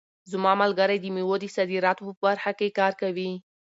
زما ملګری د مېوو د صادراتو په برخه کې کار کوي.